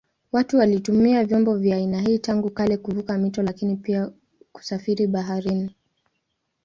Watu walitumia vyombo vya aina hii tangu kale kuvuka mito lakini pia kusafiri baharini.